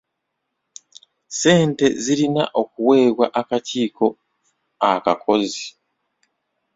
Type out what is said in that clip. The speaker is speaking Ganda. Ssente zirina okuweebwa akakiiko akakozi..